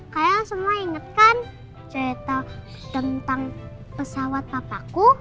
kayak semua inget kan cerita tentang pesawat papaku